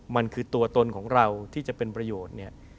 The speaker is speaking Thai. มันคือตัวตนของเราที่จะเป็นประโยชน์เนี่ย